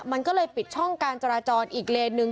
มันก็เลยปิดช่องการจราจรอีกเลนหนึ่ง